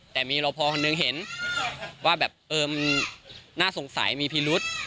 แต่มีรอพอคนหนึ่งเห็นว่าแบบเออมันน่าสงสัยมีพิรุษ